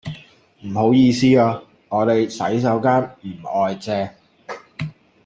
唔好意思啊，我哋洗手間唔外借。